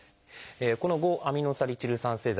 この５−アミノサリチル酸製剤。